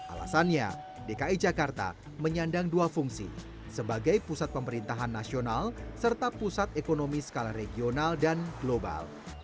alasannya dki jakarta menyandang dua fungsi sebagai pusat pemerintahan nasional serta pusat ekonomi skala regional dan global